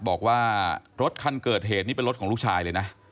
บอกว่ารถคันเกิดเหตุนี่เป็นรถของลูกชายเลยนะ